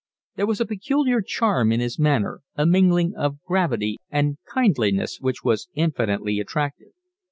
There was a peculiar charm in his manner, a mingling of gravity and kindliness, which was infinitely attractive.